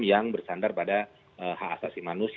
yang bersandar pada hak asasi manusia